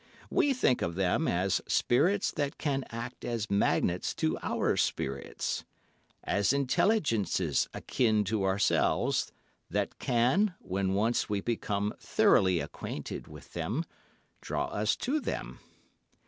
We think of them as spirits that can act as magnets to our spirits—as intelligences akin to ourselves, that can, when once we become thoroughly acquainted with them, draw us to them.